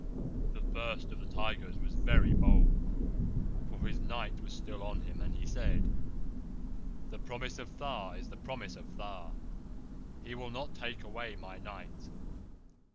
"The First of the Tigers was very bold, for his Night was still on him, and he said: 'The Promise of Tha is the Promise of Tha. He will not take away my Night?